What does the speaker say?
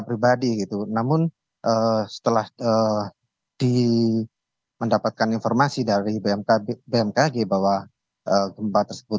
pribadi itu namun setelah ke di mendapatkan informasi dari bmk bmk di bawah tempat tersebut